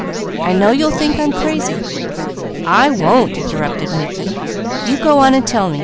I know you'll think I'm crazy " "I won't!" interrupted Mickey. "You go on and tell me!